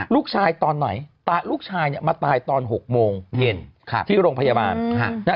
ลูกชายตอนไหนลูกชายเนี่ยมาตายตอน๖โมงเย็นที่โรงพยาบาล